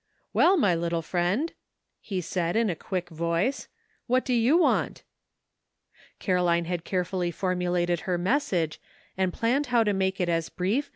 " Well, my little friend," he said, in a quick voice, " what do you want ?" Caroline had carefully formulated her mes sage, and planned how to make it as brief